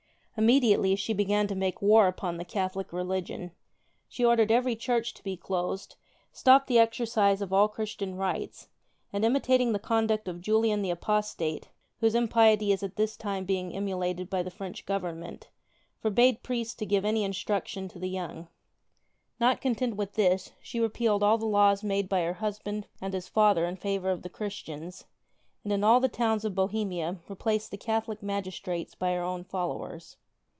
Immediately she began to make war upon the Cath olic religion. She ordered every church to be closed, stopped the exercise of all Christian rites, and, imitating the conduct 30 of Julian the Apostate (.whose impiety is at this time being emulated by the French Government), forbade priests to give any instruction to the young. Not content with this, she repealed all the laws made by her husband and his father in favor of the Christians, and in all the towns of Bohemia replaced the Catholic magistrates by her own followers.